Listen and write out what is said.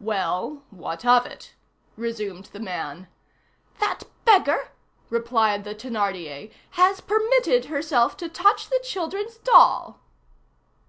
"Well, what of it?" resumed the man. "That beggar," replied the Thénardier, "has permitted herself to touch the children's doll!"